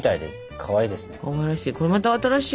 かわいらしい。